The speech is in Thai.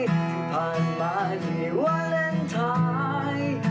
ที่ผ่านมาอย่างว่าเลนทราย